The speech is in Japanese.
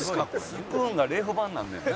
「スプーンがレフ板になんねんな」